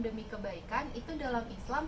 demi kebaikan itu dalam islam